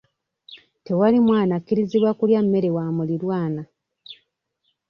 Tewali mwana akkirizibwa kulya mmere wa muliraanwa.